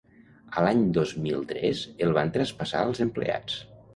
A l'any dos mil tres el van traspassar als empleats.